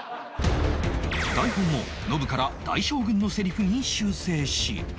台本も信から大将軍のせりふに修正し